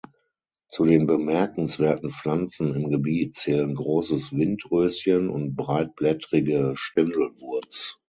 Zu den bemerkenswerten Pflanzen im Gebiet zählen Großes Windröschen und Breitblättrige Stendelwurz.